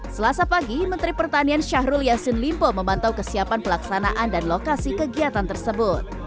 selasa pagi menteri pertanian syahrul yassin limpo memantau kesiapan pelaksanaan dan lokasi kegiatan tersebut